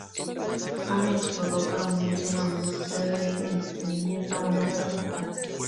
Jane exploró para unirse a la industria del entretenimiento a una edad temprana.